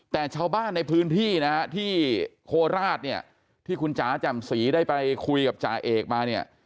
แต่ชาวบ้านในพื้นที่นะฮะที่โคราชเนี่ยที่คุณจ๋าจำศรีได้ไปคุยกับจ่าเอกมาเนี่ย